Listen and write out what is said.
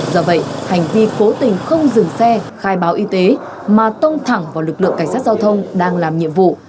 do vậy hành vi cố tình không dừng xe khai báo y tế mà tông thẳng vào lực lượng cảnh sát giao thông đang làm nhiệm vụ